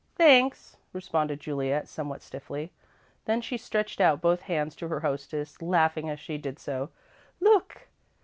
"Thanks," responded Juliet, somewhat stiffly. Then she stretched out both hands to her hostess, laughing as she did so. "Look!"